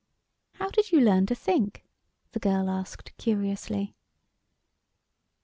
"How did you learn to think?" the girl asked curiously.